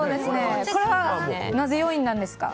これはなぜ４位なんですか？